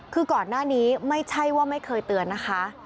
คือก่อนหน้านี้ไม่ใช่ว่าไม่เคยเตือนนะคะ